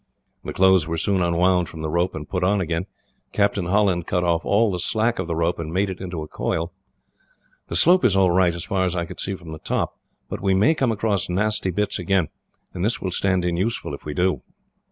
The clothes were soon unwound from the rope, and put on again. Captain Holland cut off all the slack of the rope, and made it into a coil. "The slope is all right, as far as I could see from the top," he said; "but we may come across nasty bits again, and this will stand in useful, if we do."